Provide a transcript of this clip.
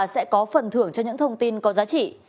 sẽ có phần thưởng cho những thông tin có giá trị